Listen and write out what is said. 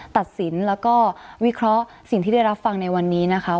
ตัดสินแล้วก็วิเคราะห์สิ่งที่ได้รับฟังในวันนี้นะคะ